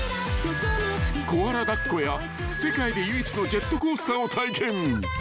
［コアラ抱っこや世界で唯一のジェットコースターを体験］